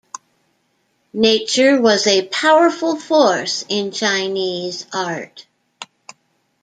Nature was a powerful force in Chinese art.